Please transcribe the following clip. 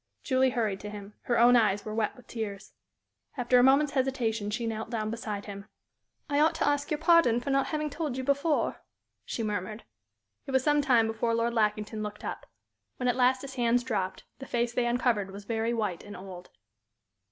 Julie hurried to him. Her own eyes were wet with tears. After a moment's hesitation she knelt down beside him. "I ought to ask your pardon for not having told you before," she murmured. It was some time before Lord Lackington looked up. When at last his hands dropped, the face they uncovered was very white and old.